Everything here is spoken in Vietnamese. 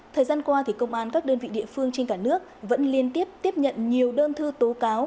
thời gian qua công an các đơn vị địa phương trên cả nước vẫn liên tiếp tiếp nhận nhiều đơn thư tố cáo